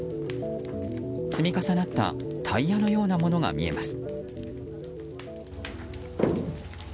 積み重なったタイヤのようなものが見えます。